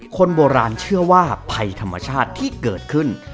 คนโบราณเชื่อว่าภัยธรรมชาติที่เกิดขึ้น